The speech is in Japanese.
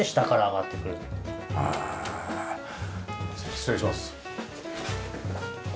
失礼します。